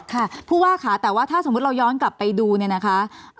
ค่ะผู้ว่าค่ะแต่ว่าถ้าสมมุติเราย้อนกลับไปดูเนี่ยนะคะ